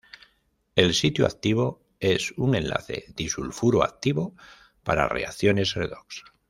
El sitio activo es un enlace disulfuro activo para reacciones redox.